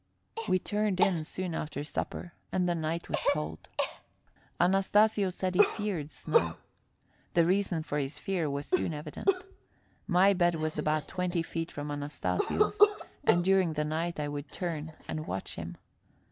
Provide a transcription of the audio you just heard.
We turned in soon after supper, and the night was cold. Anastasio said he feared snow. The reason for his fear was soon evident. My bed was about twenty feet from Anastasio's, and during the night I would turn and watch him.